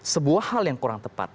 sebuah hal yang kurang tepat